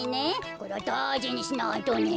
これはだいじにしないとね。